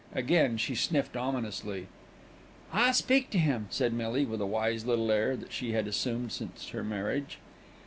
Again she sniffed ominously. "I'll speak to him," said Millie with a wise little air that she had assumed since her marriage.